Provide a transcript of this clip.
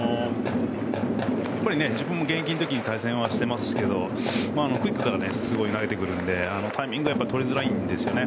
やっぱり自分も現役の時対戦していますがクイックからすごい投げてくるのでタイミングをとりづらいんですね。